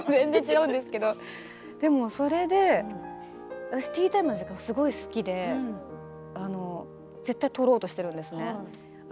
全然違うんですけれど私はティータイムの時間が好きで絶対取ろうとしているんですね。